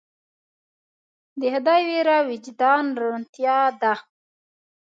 د خدای ویره د وجدان روڼتیا ده.